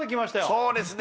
そうですね